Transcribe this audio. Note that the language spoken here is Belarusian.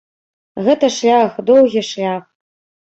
Гэта шлях, доўгі шлях.